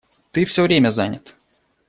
Ты всё время занят.